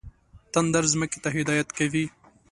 تندر ځمکې ته هدایت کوي.